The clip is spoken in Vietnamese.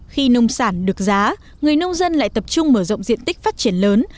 khi nông sản được giá người nông dân lại tập trung mở rộng diện tích phát triển lớn